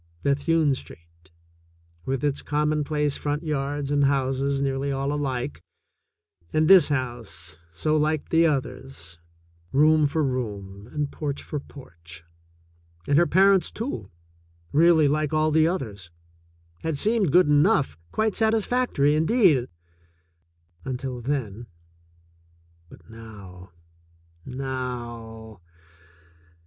Bethune Street, with its commonplace front yards and houses nearly all alike, and this house, so like the others, room for room and porch for porch, and her parents, too, really like all the others, had seemed good enough, quite satis factory, indeed, until then. But now, now